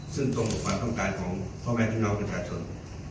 ซึ่งตรงประมาณต้องการของพ่อแม่ที่น้องเป็นชาติส่วน